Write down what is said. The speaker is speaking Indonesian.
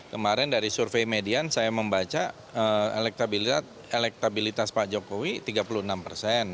kemarin dari survei median saya membaca elektabilitas pak jokowi tiga puluh enam persen